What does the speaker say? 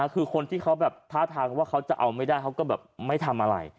คือคนที่เขาแบบท่าทางว่าเขาจะเอาไม่ได้เขาก็แบบไม่ทำอะไร